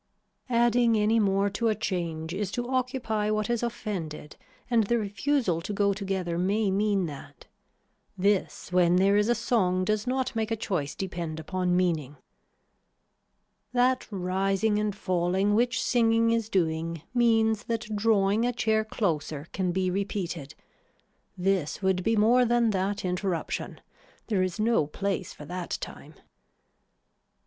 Adding any more to a change is to occupy what is offended and the refusal to go together may mean that. This when there is a song does not make a choice depend upon meaning. That rising and falling which singing is doing means that drawing a chair closer can be repeated. This would be more than that interruption. There is no place for that time.